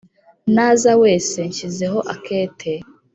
naza wese nshyizeho akete